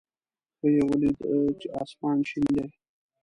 ښه یې ولېده چې اسمان شین دی.